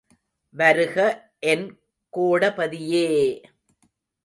வருக என் கோடபதியே!